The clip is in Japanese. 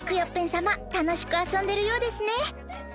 さまたのしくあそんでるようですね。